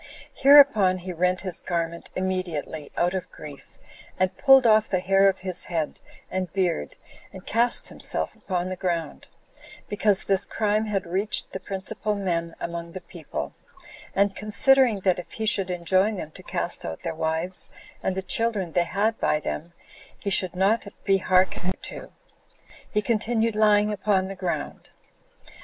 Hereupon he rent his garment immediately, out of grief, and pulled off the hair of his head and beard, and cast himself upon the ground, because this crime had reached the principal men among the people; and considering that if he should enjoin them to cast out their wives, and the children they had by them, he should not be hearkened to, he continued lying upon the ground.